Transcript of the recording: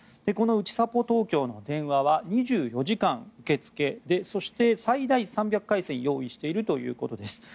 このうちさぽ東京の電話は２４時間受け付けでそして最大３００回線用意しているということです。